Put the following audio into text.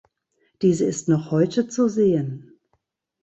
Diese ist noch heute zu sehen.